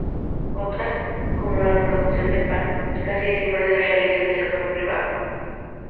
Otras, como la producción de pan, casi siempre las realiza el sector privado.